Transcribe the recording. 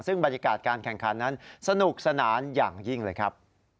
ซึ่งบรรยากาศการแข่งขันนั้นสนุกสนานอย่างยิ่งเลยครับ